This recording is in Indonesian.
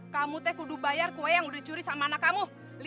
kamu teh kudu bayar kue yang udah curi sama anak kamu